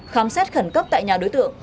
khám xét khẩn cấp tại nhà đối tượng